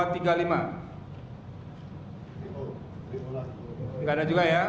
tidak ada juga ya